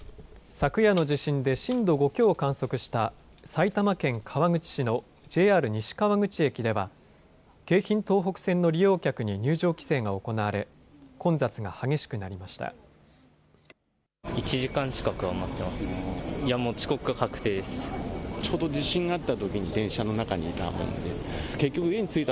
昨夜の地震で震度５強を観測した埼玉県川口市のＪＲ西川口駅では京浜東北線の利用客に入場規制が行われ混雑が激しくなりました。